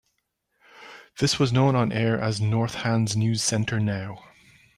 This was known on-air as Northand's NewsCenter Now.